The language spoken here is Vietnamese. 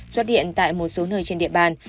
xuất hiện tại một số nơi trên địa bàn